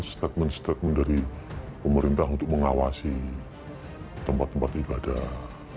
statement statement dari pemerintah untuk mengawasi tempat tempat ibadah